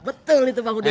betul itu bang udin